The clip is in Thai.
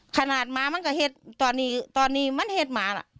หมามันก็เห็นตอนนี้ตอนนี้มันเหตุหมาล่ะ